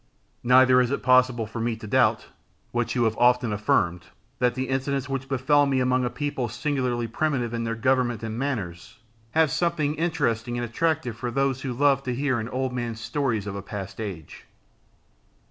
Neither is it possible for me to doubt, what you have often affirmed, that the incidents which befell me among a people singularly primitive in their government and manners, have something interesting and attractive for those who love to hear an old man's stories of a past age.